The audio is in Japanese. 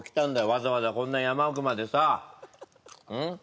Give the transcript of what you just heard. わざわざこんな山奥までさうん？